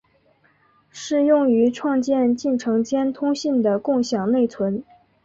适用于创建进程间通信的共享内存。